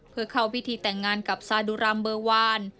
เพื่อเข้าพิธีแต่งงานกับซาดุรัมเบอร์วาน